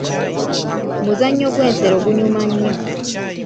Muzannyo gw'ensero gunyuma nnyo.